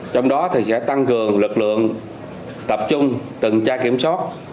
trong đó sẽ tăng cường lực lượng tập trung từng tra kiểm soát